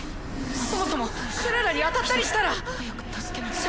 そもそもクララに当たったりしたら。早く助けなきゃ。